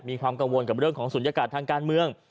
มีความกังวลของเรื่องสุทธิศการะกานเมือง